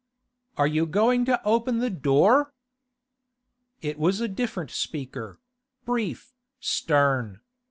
'Are you going to open the door?' It was a different speaker—brief, stern.